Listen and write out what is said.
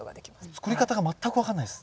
作り方が全く分かんないです。